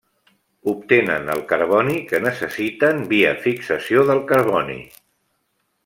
Obtenen el carboni que necessiten via fixació del carboni.